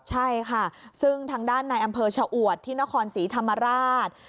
ใช่ค่ะซึ่งทางด้านในอำเภอชะอวดที่นครศรีธรรมราช